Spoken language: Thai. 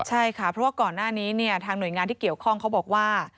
ใช่ค่ะเพราะว่าก่อนหน้านี้เนี่ยทางหน่วยงานที่เกี่ยวข้องเขาบอกว่า